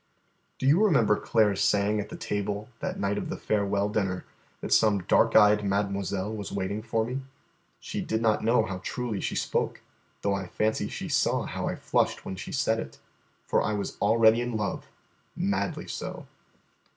"Do you remember Claire's saying at the table that night of the farewell dinner that some dark eyed mademoiselle was waiting for me? She did not know how truly she spoke, though I fancy she saw how I flushed when she said it: for I was already in love madly so.